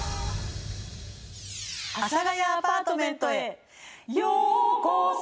「阿佐ヶ谷アパートメント」へ「ようこそ」